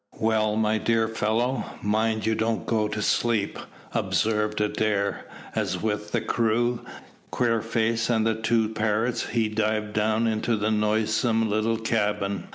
"Well, my dear fellow, mind you don't go to sleep," observed Adair, as with the crew, Queerface, and the two parrots, he dived down into the noisome little cabin.